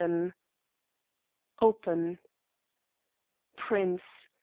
III "OPEN!" PRINCE.